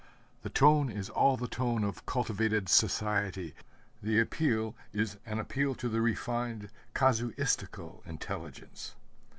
The tone is all the tone of cultivated society, the appeal is an appeal to the refined, casuistical intelligence.